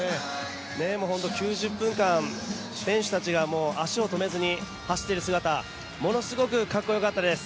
本当、９０分間、選手たちが足を止めずに走っている姿ものすごくかっこよかったです。